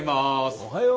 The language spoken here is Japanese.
おはよう。